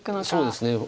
そうですね。